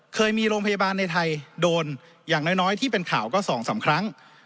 เคยมีโรงพยาบาลในไทยโดนอย่างน้อยที่เป็นข่าวก็๒๓ครั้ง